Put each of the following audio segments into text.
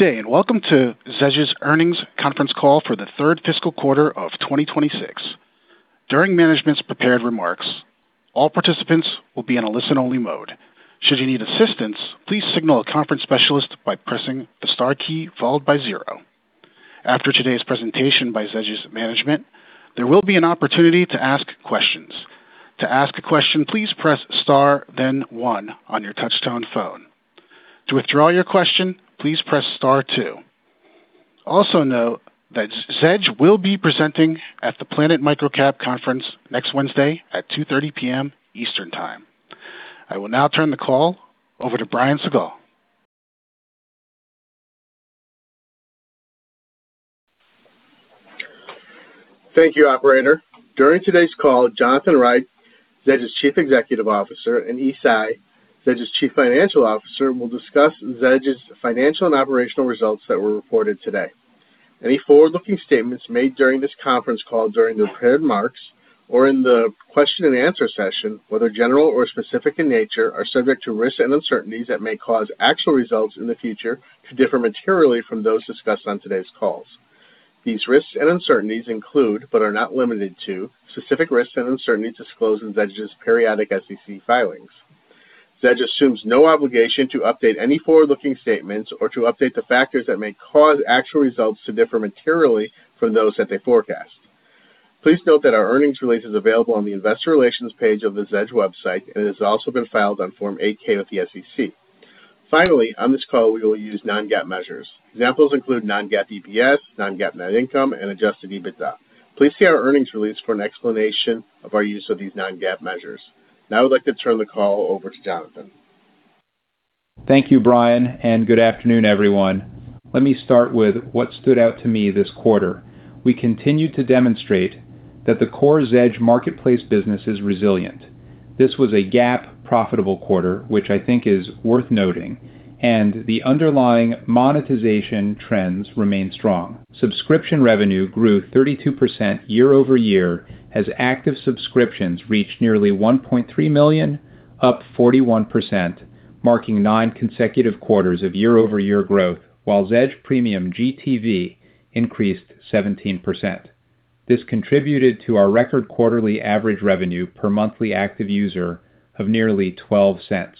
Good day, and welcome to Zedge's earnings conference call for the third fiscal quarter of 2026. During management's prepared remarks, all participants will be in a listen-only mode. Should you need assistance, please signal a conference specialist by pressing the star key followed by zero. After today's presentation by Zedge's management, there will be an opportunity to ask questions. To ask a question, please press star then one on your touchtone phone. To withdraw your question, please press star two. Also note that Zedge will be presenting at the Planet MicroCap Conference next Wednesday at 2:30 P.M. Eastern Time. I will now turn the call over to Brian Siegel. Thank you, operator. During today's call, Jonathan Reich, Zedge's Chief Executive Officer, and Yi Tsai, Zedge's Chief Financial Officer, will discuss Zedge's financial and operational results that were reported today. Any forward-looking statements made during this conference call during the prepared remarks or in the question and answer session, whether general or specific in nature, are subject to risks and uncertainties that may cause actual results in the future to differ materially from those discussed on today's calls. These risks and uncertainties include, but are not limited to, specific risks and uncertainties disclosed in Zedge's periodic SEC filings. Zedge assumes no obligation to update any forward-looking statements or to update the factors that may cause actual results to differ materially from those that they forecast. Please note that our earnings release is available on the investor relations page of the Zedge website and has also been filed on Form 8-K with the SEC. Finally, on this call, we will use non-GAAP measures. Examples include non-GAAP EPS, non-GAAP net income, and adjusted EBITDA. Please see our earnings release for an explanation of our use of these non-GAAP measures. Now I would like to turn the call over to Jonathan. Thank you, Brian, and good afternoon, everyone. Let me start with what stood out to me this quarter. We continued to demonstrate that the core Zedge Marketplace business is resilient. This was a GAAP profitable quarter, which I think is worth noting, and the underlying monetization trends remain strong. Subscription revenue grew 32% year-over-year as active subscriptions reached nearly 1.3 million, up 41%, marking nine consecutive quarters of year-over-year growth, while Zedge Premium GTV increased 17%. This contributed to our record quarterly average revenue per monthly active user of nearly $0.12.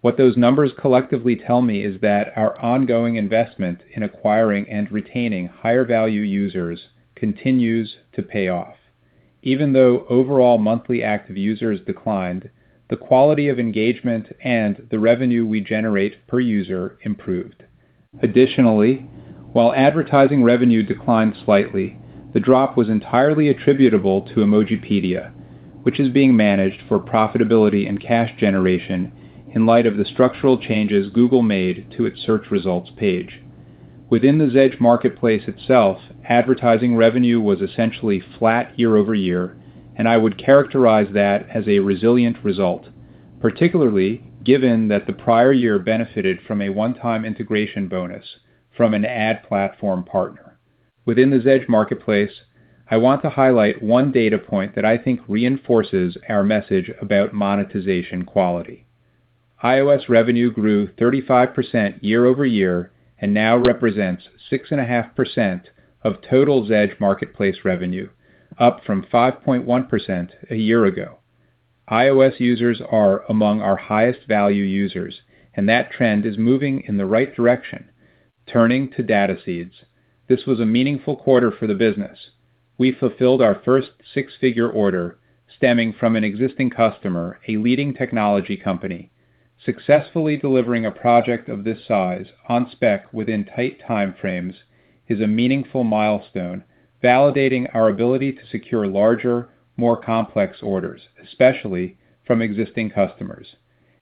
What those numbers collectively tell me is that our ongoing investment in acquiring and retaining higher-value users continues to pay off. Even though overall monthly active users declined, the quality of engagement and the revenue we generate per user improved. Additionally, while advertising revenue declined slightly, the drop was entirely attributable to Emojipedia, which is being managed for profitability and cash generation in light of the structural changes Google made to its search results page. Within the Zedge Marketplace itself, advertising revenue was essentially flat year-over-year, and I would characterize that as a resilient result, particularly given that the prior year benefited from a one-time integration bonus from an ad platform partner. Within the Zedge Marketplace, I want to highlight one data point that I think reinforces our message about monetization quality. iOS revenue grew 35% year-over-year and now represents 6.5% of total Zedge Marketplace revenue, up from 5.1% a year ago. iOS users are among our highest value users, and that trend is moving in the right direction. Turning to DataSeeds.AI, this was a meaningful quarter for the business. We fulfilled our first six-figure order stemming from an existing customer, a leading technology company. Successfully delivering a project of this size on spec within tight time frames is a meaningful milestone, validating our ability to secure larger, more complex orders, especially from existing customers.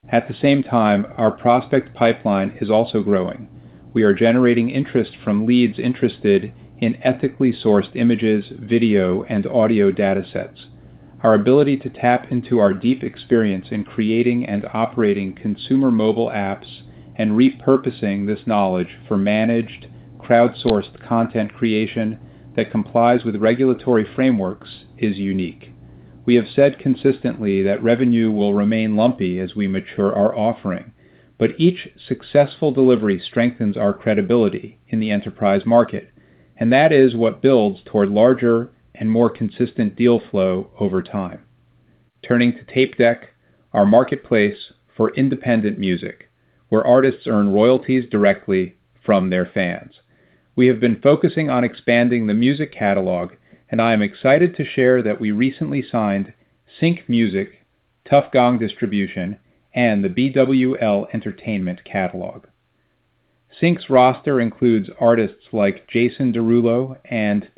At the same time, our prospect pipeline is also growing. We are generating interest from leads interested in ethically sourced images, video, and audio data sets. Our ability to tap into our deep experience in creating and operating consumer mobile apps and repurposing this knowledge for managed, crowdsourced content creation that complies with regulatory frameworks is unique. We have said consistently that revenue will remain lumpy as we mature our offering, but each successful delivery strengthens our credibility in the enterprise market. That is what builds toward larger and more consistent deal flow over time. Turning to Tapedeck, our marketplace for independent music, where artists earn royalties directly from their fans. We have been focusing on expanding the music catalog. I am excited to share that we recently signed Sync Music, Tuff Gong Distribution, and the BWL Entertainment catalog. Sync's roster includes artists like Jason Derulo and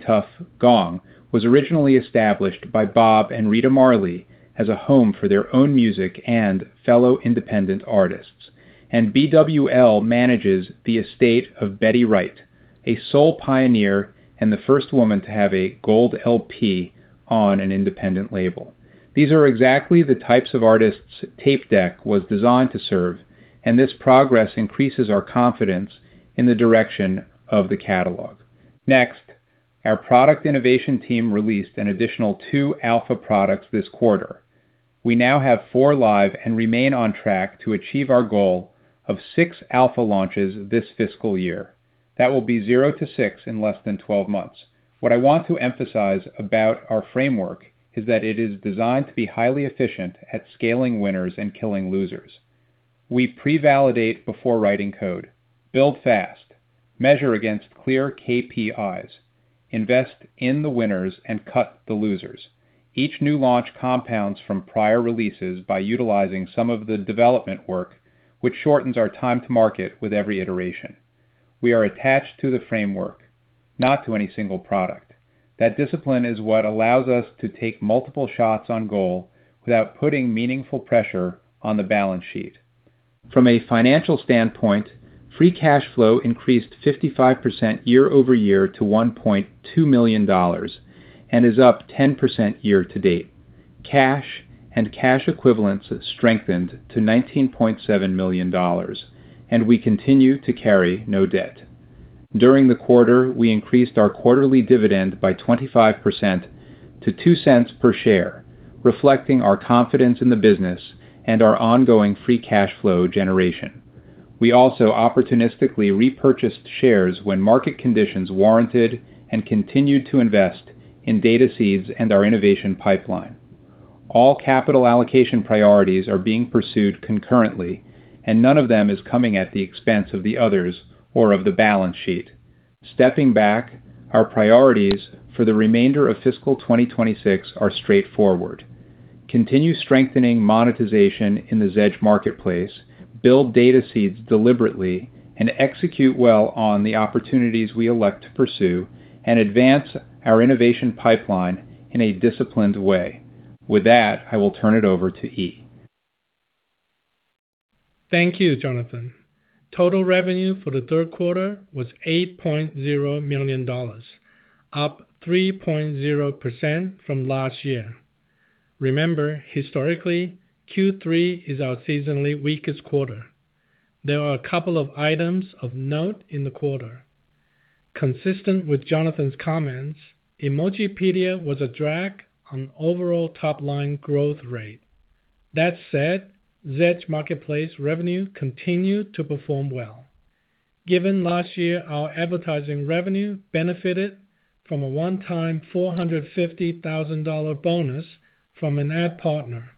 T.I. Tuff Gong was originally established by Bob and Rita Marley as a home for their own music and fellow independent artists. BWL manages the estate of Betty Wright, a soul pioneer and the first woman to have a gold LP on an independent label. These are exactly the types of artists Tapedeck was designed to serve. This progress increases our confidence in the direction of the catalog. Next, our product innovation team released an additional two alpha products this quarter. We now have four live and remain on track to achieve our goal of six alpha launches this fiscal year. That will be zero to six in less than 12 months. What I want to emphasize about our framework is that it is designed to be highly efficient at scaling winners and killing losers. We pre-validate before writing code, build fast, measure against clear KPIs, invest in the winners, and cut the losers. Each new launch compounds from prior releases by utilizing some of the development work, which shortens our time to market with every iteration. We are attached to the framework, not to any single product. That discipline is what allows us to take multiple shots on goal without putting meaningful pressure on the balance sheet. From a financial standpoint, free cash flow increased 55% year-over-year to $1.2 million and is up 10% year-to-date. Cash and cash equivalents strengthened to $19.7 million, and we continue to carry no debt. During the quarter, we increased our quarterly dividend by 25% to $0.02 per share, reflecting our confidence in the business and our ongoing free cash flow generation. We also opportunistically repurchased shares when market conditions warranted and continued to invest in DataSeeds.AI and our innovation pipeline. All capital allocation priorities are being pursued concurrently, none of them is coming at the expense of the others or of the balance sheet. Stepping back, our priorities for the remainder of fiscal 2026 are straightforward: continue strengthening monetization in the Zedge Marketplace, build DataSeeds.AI deliberately, and execute well on the opportunities we elect to pursue and advance our innovation pipeline in a disciplined way. With that, I will turn it over to Yi. Thank you, Jonathan. Total revenue for the third quarter was $8.0 million, up 3.0% from last year. Remember, historically, Q3 is our seasonally weakest quarter. There are a couple of items of note in the quarter. Consistent with Jonathan's comments, Emojipedia was a drag on overall top-line growth rate. That said, Zedge Marketplace revenue continued to perform well. Given last year, our advertising revenue benefited from a one-time $450,000 bonus from an ad partner.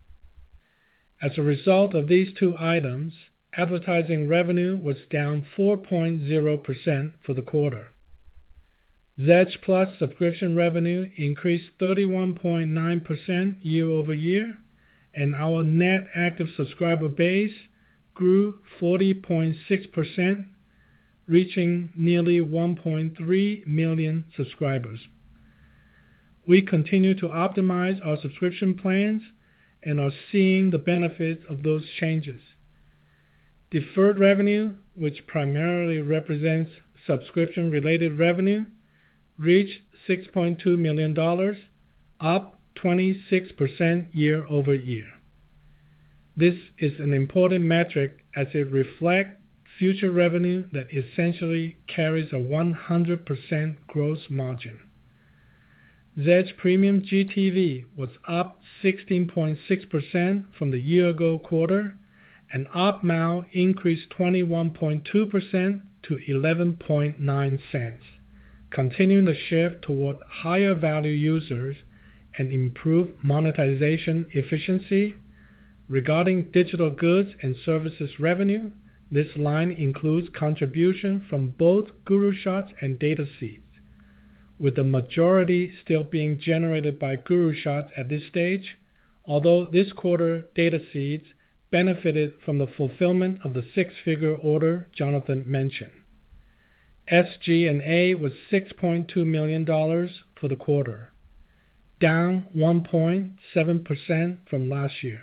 As a result of these two items, advertising revenue was down 4.0% for the quarter. Zedge Plus subscription revenue increased 31.9% year-over-year, and our net active subscriber base grew 40.6%, reaching nearly 1.3 million subscribers. We continue to optimize our subscription plans and are seeing the benefit of those changes. Deferred revenue, which primarily represents subscription-related revenue, reached $6.2 million, up 26% year-over-year. This is an important metric as it reflects future revenue that essentially carries a 100% gross margin. Zedge Premium GTV was up 16.6% from the year-ago quarter, and ARPMOU increased 21.2% to $0.119, continuing the shift toward higher-value users and improved monetization efficiency. Regarding digital goods and services revenue, this line includes contribution from both GuruShots and DataSeeds.AI, with the majority still being generated by GuruShots at this stage. Although this quarter, DataSeeds.AI benefited from the fulfillment of the six-figure order Jonathan mentioned. SG&A was $6.2 million for the quarter, down 1.7% from last year.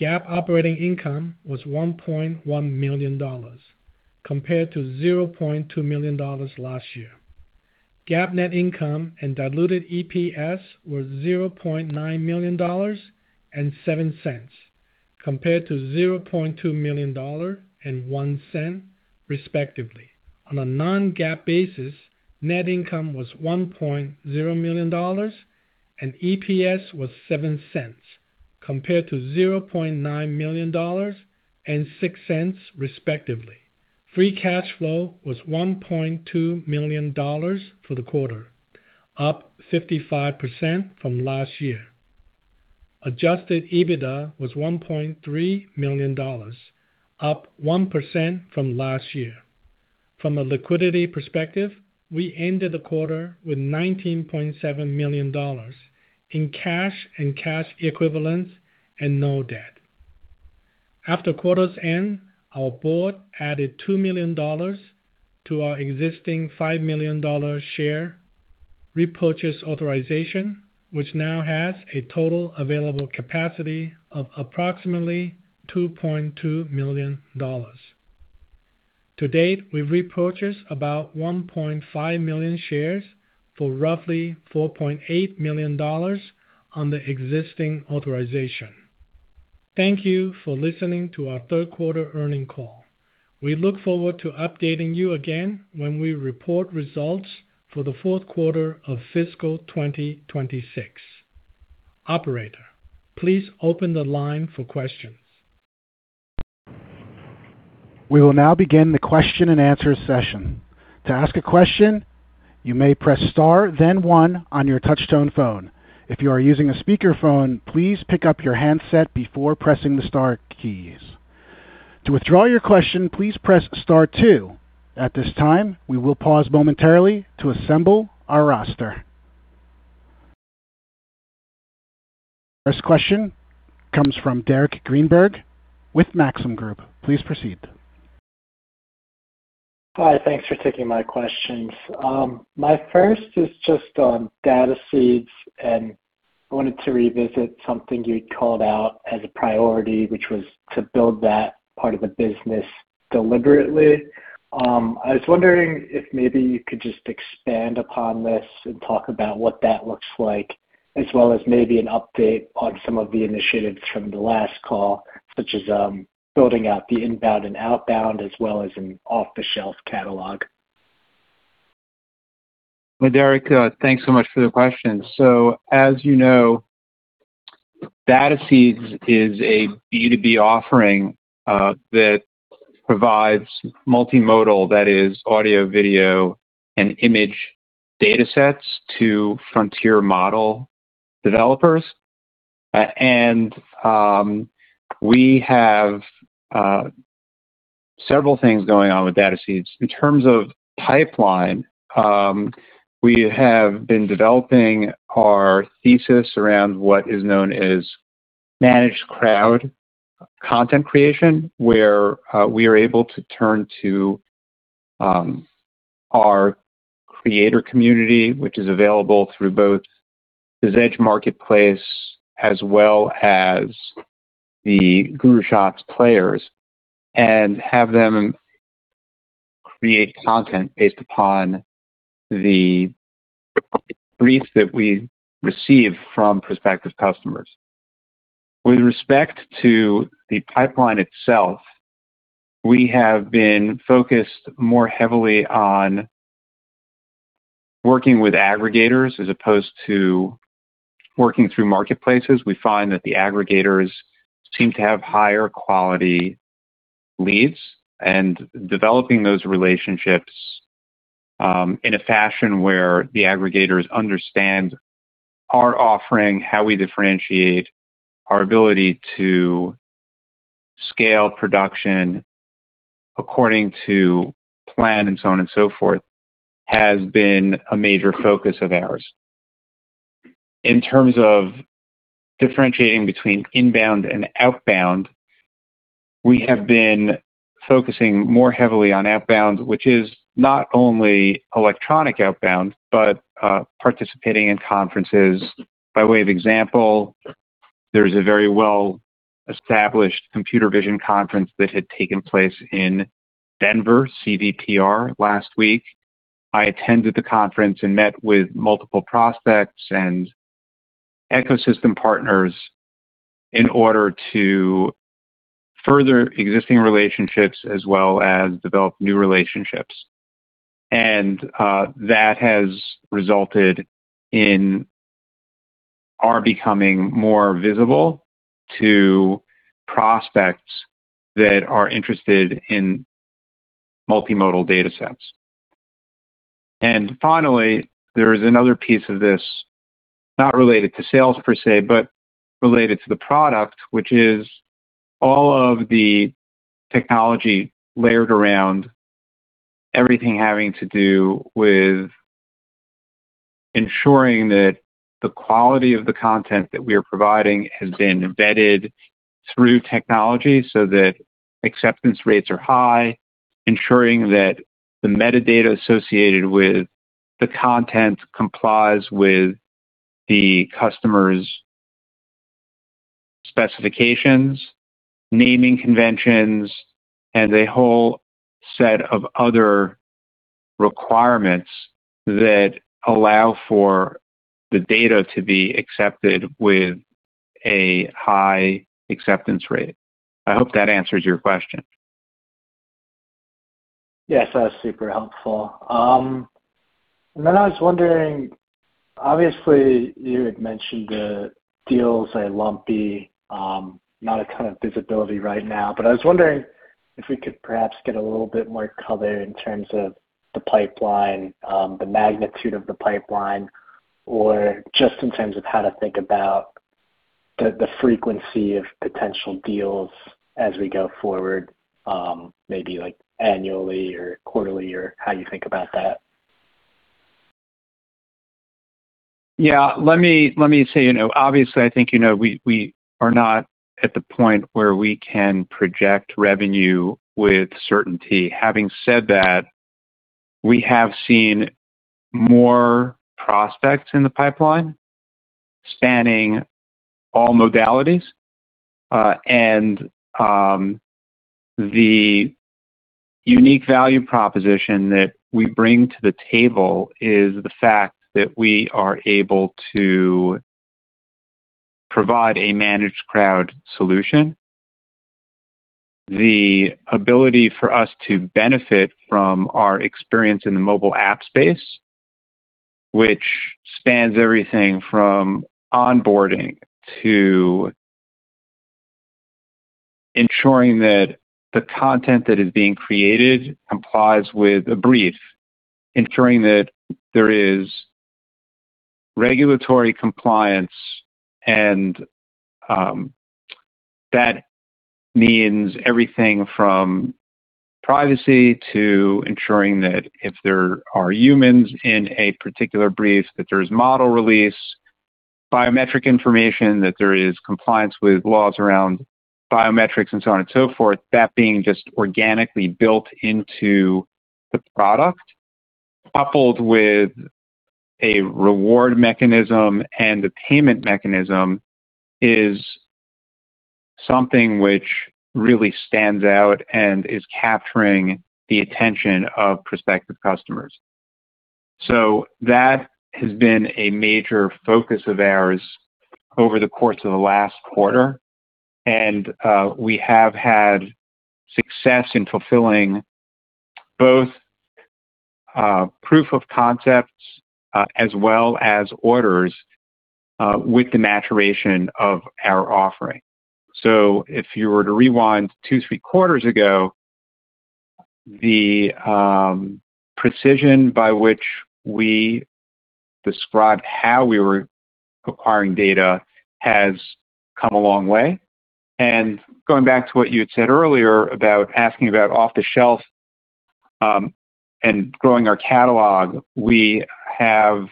GAAP operating income was $1.1 million compared to $0.2 million last year. GAAP net income and diluted EPS were $0.9 million and $0.07 compared to $0.2 million and $0.01 respectively. On a non-GAAP basis, net income was $1.0 million and EPS was $0.07 compared to $0.9 million and $0.06 respectively. Free cash flow was $1.2 million for the quarter, up 55% from last year. Adjusted EBITDA was $1.3 million, up 1% from last year. From a liquidity perspective, we ended the quarter with $19.7 million in cash and cash equivalents and no debt. After quarter's end, our board added $2 million to our existing $5 million share repurchase authorization, which now has a total available capacity of approximately $2.2 million. To date, we've repurchased about 1.5 million shares for roughly $4.8 million on the existing authorization. Thank you for listening to our third-quarter earnings call. We look forward to updating you again when we report results for the fourth quarter of fiscal 2026. Operator, please open the line for questions. We will now begin the question and answer session. To ask a question, you may press star then one on your touchtone phone. If you are using a speakerphone, please pick up your handset before pressing the star keys. To withdraw your question, please press star two. At this time, we will pause momentarily to assemble our roster. First question comes from Derek Greenberg with Maxim Group. Please proceed. Hi. Thanks for taking my questions. My first is just on DataSeeds, and I wanted to revisit something you'd called out as a priority, which was to build that part of the business deliberately. I was wondering if maybe you could just expand upon this and talk about what that looks like, as well as maybe an update on some of the initiatives from the last call, such as building out the inbound and outbound, as well as an off-the-shelf catalog. Well, Derek, thanks so much for the question. As you know, DataSeeds.AI is a B2B offering that provides multimodal, that is audio, video, and image datasets to frontier model developers. We have several things going on with DataSeeds.AI. In terms of pipeline, we have been developing our thesis around what is known as managed crowd content creation, where we are able to turn to our creator community, which is available through both the Zedge Marketplace as well as the GuruShots players, and have them create content based upon the briefs that we receive from prospective customers. With respect to the pipeline itself, we have been focused more heavily on working with aggregators as opposed to working through marketplaces. We find that the aggregators seem to have higher quality leads, and developing those relationships in a fashion where the aggregators understand our offering, how we differentiate our ability to scale production according to plan and so on and so forth, has been a major focus of ours. In terms of differentiating between inbound and outbound, we have been focusing more heavily on outbound, which is not only electronic outbound, but participating in conferences. By way of example, there's a very well-established computer vision conference that had taken place in Denver, CVPR, last week. I attended the conference and met with multiple prospects and ecosystem partners in order to further existing relationships as well as develop new relationships. That has resulted in our becoming more visible to prospects that are interested in multimodal datasets. Finally, there is another piece of this, not related to sales per se, but related to the product, which is all of the technology layered around everything having to do with ensuring that the quality of the content that we are providing has been embedded through technology so that acceptance rates are high, ensuring that the metadata associated with the content complies with the customer's specifications, naming conventions, and a whole set of other requirements that allow for the data to be accepted with a high acceptance rate. I hope that answers your question. Yes, that was super helpful. I was wondering, obviously, you had mentioned the deals are lumpy, not a ton of visibility right now, but I was wondering if we could perhaps get a little bit more color in terms of the pipeline, the magnitude of the pipeline, or just in terms of how to think about the frequency of potential deals as we go forward, maybe like annually or quarterly, or how you think about that. Yeah. Let me say, obviously, I think we are not at the point where we can project revenue with certainty. Having said that, we have seen more prospects in the pipeline spanning all modalities. The unique value proposition that we bring to the table is the fact that we are able to provide a managed crowd solution. The ability for us to benefit from our experience in the mobile app space, which spans everything from onboarding to ensuring that the content that is being created complies with a brief, ensuring that there is regulatory compliance, and that means everything from privacy to ensuring that if there are humans in a particular brief, that there is model release, biometric information, that there is compliance with laws around biometrics and so on and so forth, that being just organically built into the product, coupled with a reward mechanism and a payment mechanism is something which really stands out and is capturing the attention of prospective customers. That has been a major focus of ours over the course of the last quarter, and we have had success in fulfilling both proof of concepts as well as orders with the maturation of our offering. If you were to rewind two, three quarters ago, the precision by which we described how we were acquiring data has come a long way. Going back to what you had said earlier about asking about off-the-shelf and growing our catalog, we have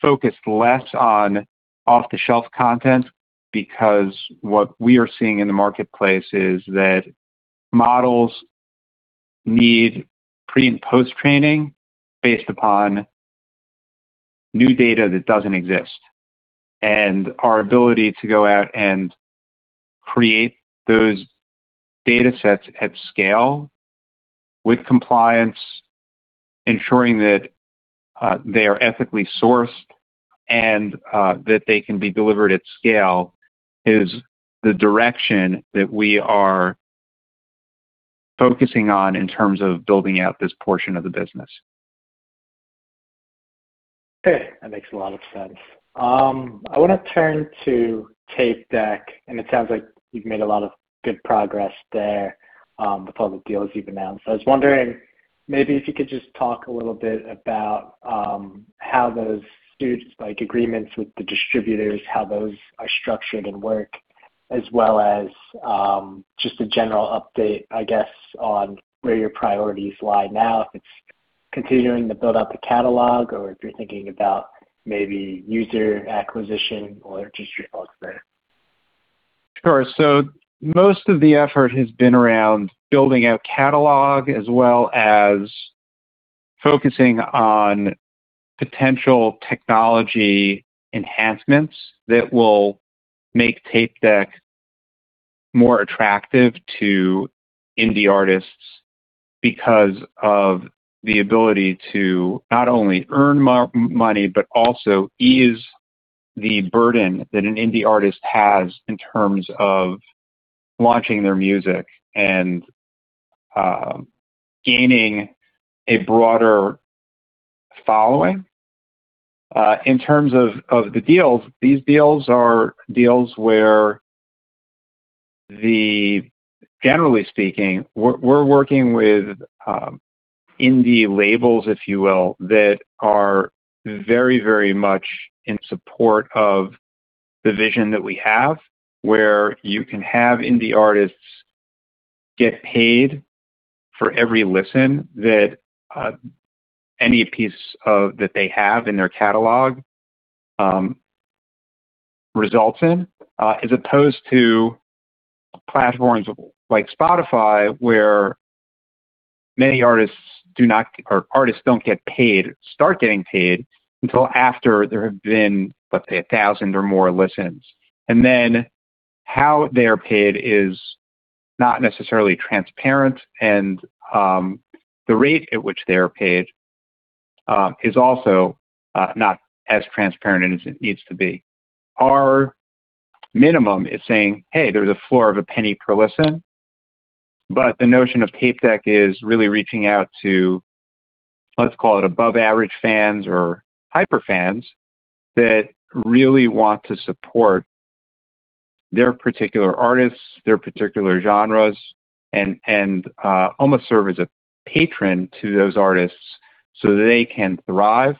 focused less on off-the-shelf content because what we are seeing in the marketplace is that models need pre and post-training based upon new data that doesn't exist. Our ability to go out and create those data sets at scale with compliance, ensuring that they are ethically sourced and that they can be delivered at scale, is the direction that we are focusing on in terms of building out this portion of the business. Okay, that makes a lot of sense. I want to turn to Tapedeck, it sounds like you've made a lot of good progress there with all the deals you've announced. I was wondering maybe if you could just talk a little bit about how those agreements with the distributors, how those are structured and work, as well as just a general update, I guess, on where your priorities lie now, if it's continuing to build out the catalog or if you're thinking about maybe user acquisition or just your thoughts there. Sure. Most of the effort has been around building out catalog as well as focusing on potential technology enhancements that will make Tapedeck more attractive to indie artists because of the ability to not only earn money, but also ease the burden that an indie artist has in terms of launching their music and gaining a broader following. In terms of the deals, these deals are deals where, generally speaking, we're working with indie labels, if you will, that are very much in support of the vision that we have, where you can have indie artists get paid for every listen that any piece that they have in their catalog results in, as opposed to platforms like Spotify where many artists don't get paid, start getting paid until after there have been, let's say, 1,000 or more listens. How they are paid is not necessarily transparent, and the rate at which they are paid is also not as transparent as it needs to be. Our minimum is saying, hey, there's a floor of $0.01 per listen, but the notion of Tapedeck is really reaching out to, let's call it above average fans or hyper fans that really want to support their particular artists, their particular genres, and almost serve as a patron to those artists so that they can thrive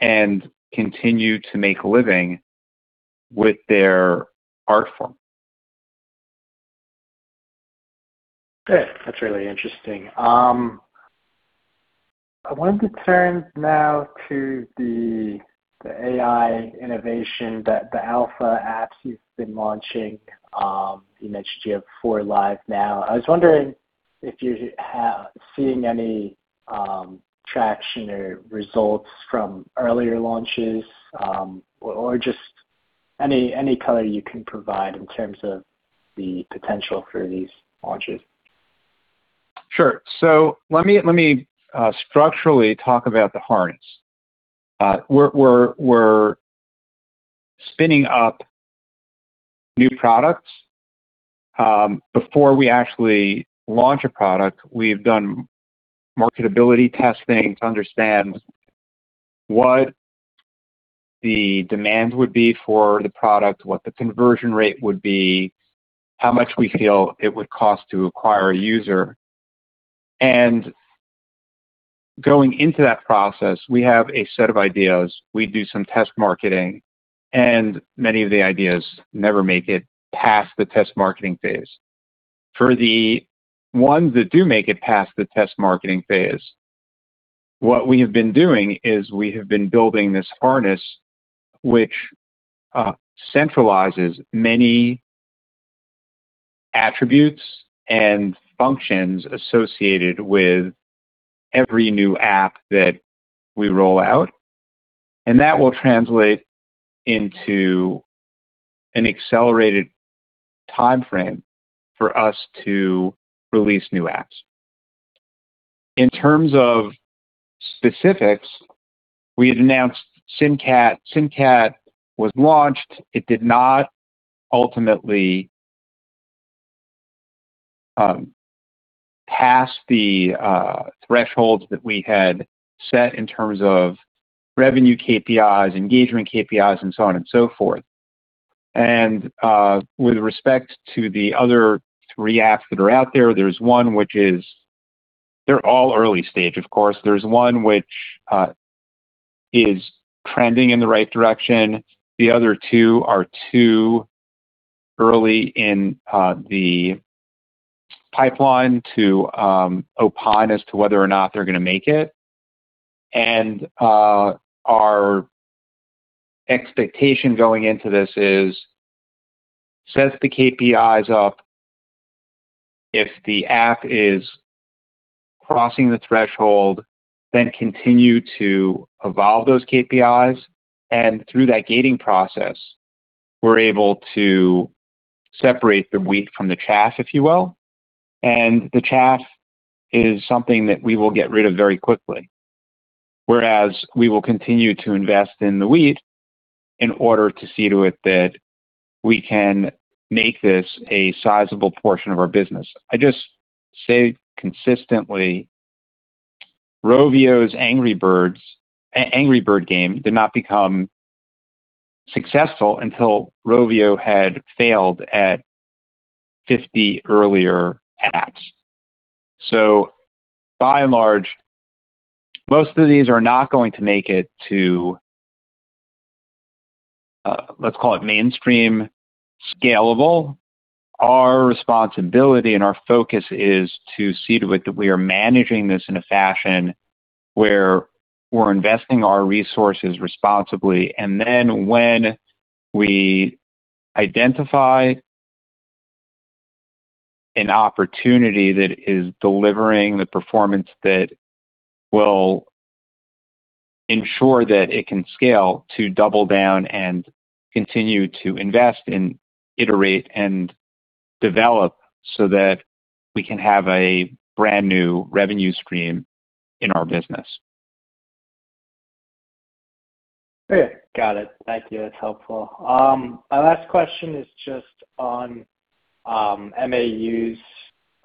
and continue to make a living with their art form. Good. That's really interesting. I wanted to turn now to the AI innovation, the alpha apps you've been launching. You mentioned you have four live now. I was wondering if you're seeing any traction or results from earlier launches, or just any color you can provide in terms of the potential for these launches? Sure. Let me structurally talk about the harness. We're spinning up new products. Before we actually launch a product, we've done marketability testing to understand what the demand would be for the product, what the conversion rate would be, how much we feel it would cost to acquire a user. Going into that process, we have a set of ideas. We do some test marketing, and many of the ideas never make it past the test marketing phase. For the ones that do make it past the test marketing phase, what we have been doing is we have been building this harness which centralizes many attributes and functions associated with every new app that we roll out, and that will translate into an accelerated timeframe for us to release new apps. In terms of specifics, we had announced SimCat. SimCat was launched. It did not ultimately pass the thresholds that we had set in terms of revenue KPIs, engagement KPIs, and so on and so forth. With respect to the other three apps that are out there, they're all early-stage, of course. There's one which is trending in the right direction. The other two are too early in the pipeline to opine as to whether or not they're going to make it. Our expectation going into this is set the KPIs up. If the app is crossing the threshold, then continue to evolve those KPIs. Through that gating process, we're able to separate the wheat from the chaff, if you will. The chaff is something that we will get rid of very quickly, whereas we will continue to invest in the wheat in order to see to it that we can make this a sizable portion of our business. I just say consistently, Rovio's Angry Birds game did not become successful until Rovio had failed at 50 earlier apps. By and large, most of these are not going to make it to, let's call it mainstream scalable. Our responsibility and our focus is to see to it that we are managing this in a fashion where we're investing our resources responsibly, then when we identify an opportunity that is delivering the performance that will ensure that it can scale to double down and continue to invest in, iterate, and develop so that we can have a brand-new revenue stream in our business. Okay. Got it. Thank you. That's helpful. My last question is just on MAUs.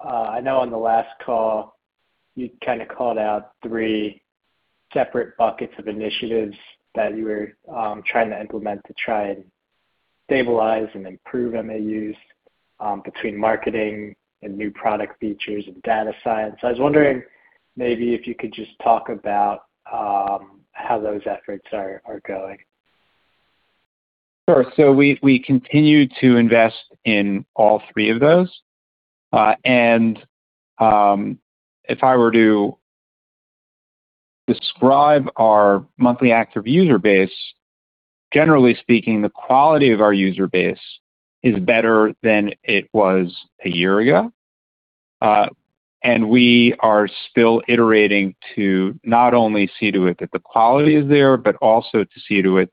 I know on the last call, you kind of called out three separate buckets of initiatives that you were trying to implement to try and stabilize and improve MAUs between marketing and new product features and data science. I was wondering maybe if you could just talk about how those efforts are going. Sure. We continue to invest in all three of those. If I were to describe our monthly active user base, generally speaking, the quality of our user base is better than it was a year ago. We are still iterating to not only see to it that the quality is there, but also to see to it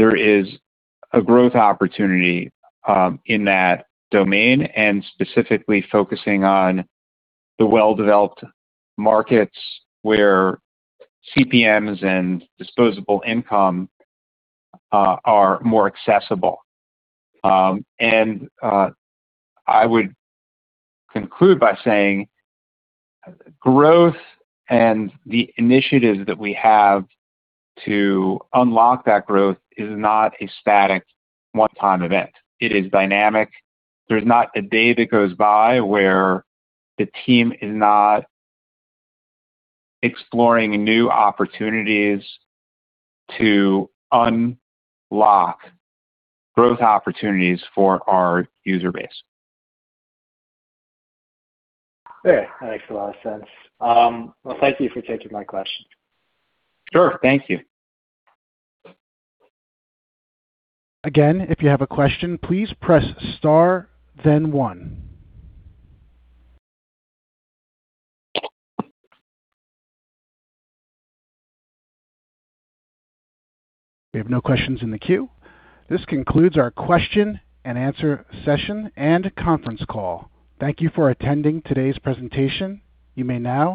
that there is a growth opportunity in that domain and specifically focusing on the well-developed markets where CPMs and disposable income are more accessible. I would conclude by saying growth and the initiatives that we have to unlock that growth is not a static one-time event. It is dynamic. There's not a day that goes by where the team is not exploring new opportunities to unlock growth opportunities for our user base. Okay. That makes a lot of sense. Well, thank you for taking my question. Sure. Thank you. Again, if you have a question, please press star then one. We have no questions in the queue. This concludes our question and answer session and conference call. Thank you for attending today's presentation. You may now